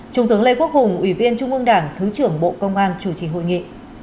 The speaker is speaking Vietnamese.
trung tướng lê quốc hùng ủy viên trung ương đảng thứ trưởng bộ công an chủ trì hội nghị